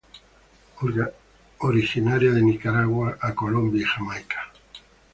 Originaria de Nicaragua a Colombia y Jamaica.